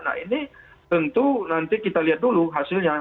nah ini tentu nanti kita lihat dulu hasilnya